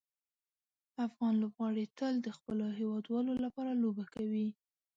افغان لوبغاړي تل د خپلو هیوادوالو لپاره لوبه کوي.